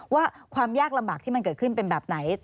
ว่าความยากลำบากที่มันเกิดขึ้นเป็นแบบไหน